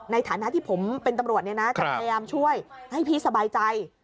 ในฐานะที่ผมเป็นตำรวจจะพยายามช่วยให้พี่สบายใจ